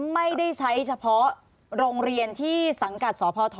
ไม่ได้ใช้เฉพาะโรงเรียนที่สังกัดสพ